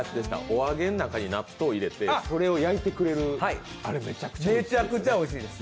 お揚げの中に納豆を入れてそれを焼いてくれる、あれ、めちゃくちゃいいです